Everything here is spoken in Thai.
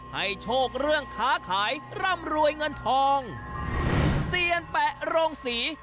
โชคเรื่องค้าขายร่ำรวยเงินทองเซียนแปะโรงศรี